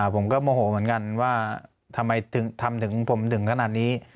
ผมก็โมโหเหมือนกันว่าทำไมถึงทำถึงผมถึงขนาดนี้